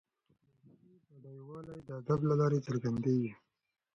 د ژبي بډایوالی د ادب له لارې څرګندیږي.